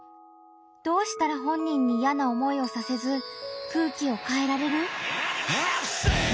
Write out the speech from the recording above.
どうしたら本人にいやな思いをさせず空気を変えられる？